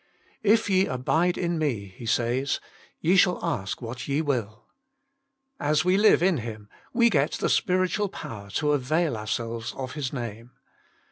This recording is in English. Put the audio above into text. " If ye abide in Me," He says, " ye shall ask what ye will." As we live in Him, we get the spiritual power to avail ourselves of His Name.